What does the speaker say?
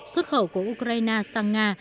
xuất khẩu của ukraine sang nga